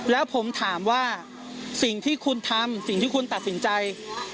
แล้วผมถามว่าสิ่งที่คุณทำสิ่งที่คุณตัดสินใจ